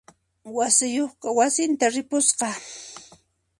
Wach'iyuqqa wasinta ripusqa.